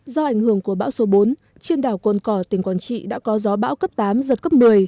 do ảnh hưởng của bão số bốn trên đảo cồn cỏ tỉnh quảng trị đã có gió bão cấp tám giật cấp một mươi